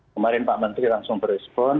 kemarin pak menteri langsung berespon